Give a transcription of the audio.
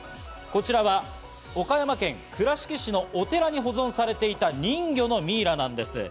こちらは岡山県倉敷市のお寺で保存されていた人魚のミイラなんです。